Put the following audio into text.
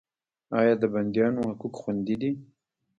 آیا د بندیانو حقوق خوندي دي؟